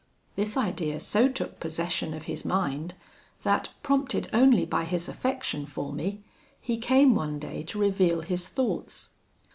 This idea so took possession of his mind, that, prompted only by his affection for me, he came one day to reveal his thoughts.